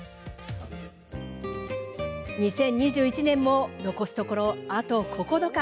２０２１年も残すところあと９日。